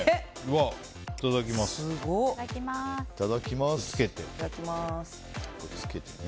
いただきます。